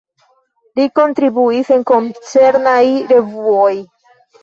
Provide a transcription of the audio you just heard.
Li kontribuis en koncernaj revuoj.